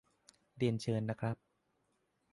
เรียนเชิญนะครับ